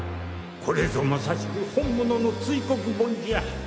これぞまさしく本物の堆黒盆じゃ！